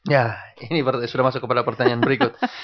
ya ini sudah masuk kepada pertanyaan berikut